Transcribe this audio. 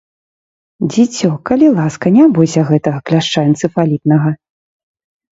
Дзіцё, калі ласка, ня бойся гэтага кляшча энцыфалітнага.